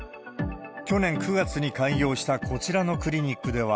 去年９月に開業したこちらのクリニックでは、